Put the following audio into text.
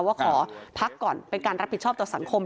ว่าขอพักก่อนเป็นการรับผิดชอบต่อสังคม